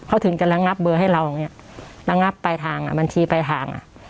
เขาถึงจะระงับเบอร์ให้เราอย่างเงี้ยระงับปลายทางอ่ะบัญชีปลายทางอ่ะ